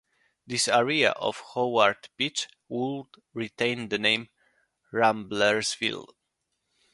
This area of Howard Beach would retain the name Ramblersville.